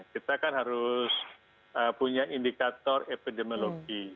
kita kan harus punya indikator epidemiologi